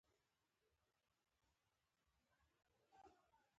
دا د پانګې جوړښت په موخه کوي.